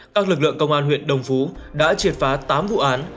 các lực lượng công an huyện đồng phú đã triệt phá tám vụ án